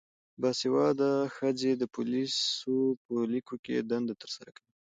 باسواده ښځې د پولیسو په لیکو کې دنده ترسره کوي.